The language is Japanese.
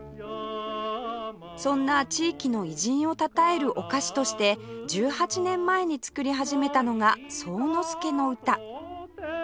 そんな地域の偉人をたたえるお菓子として１８年前に作り始めたのが惣之助の詩